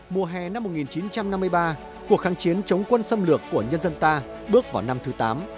mùa hè năm một nghìn chín trăm năm mươi ba cuộc kháng chiến chống quân xâm lược của nhân dân ta bước vào năm thứ tám